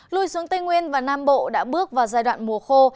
lùi xuống tây nguyên và nam bộ đã bước vào giai đoạn mùa khô